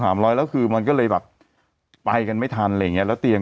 ห้ามร้อยแล้วคือมันก็เลยไปกันไม่ทันเหล่ายังเงี้ยแล้วเตียง